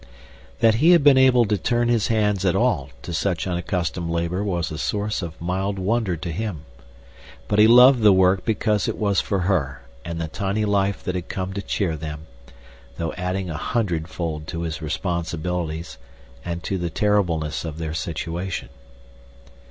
That he had been able to turn his hands at all to such unaccustomed labor was a source of mild wonder to him. But he loved the work because it was for her and the tiny life that had come to cheer them, though adding a hundredfold to his responsibilities and to the terribleness of their situation.